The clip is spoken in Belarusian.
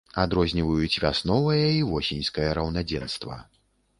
Адрозніваюць вясновае і восеньскае раўнадзенства.